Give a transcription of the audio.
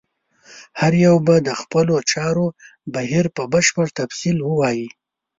هر یو به د خپلو چارو بهیر په بشپړ تفصیل ووایي.